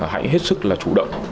hãy hết sức là chủ động